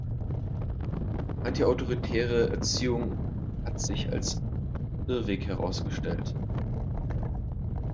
Antiautoritäre Erziehung hat sich als Irrweg herausgestellt.